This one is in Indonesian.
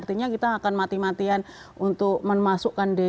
artinya kita akan mati matian untuk menempatkan di h e pun